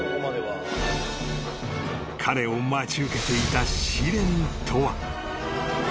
［彼を待ち受けていた試練とは］